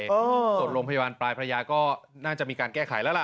ส่วนโรงพยาบาลปลายพระยาก็น่าจะมีการแก้ไขแล้วล่ะ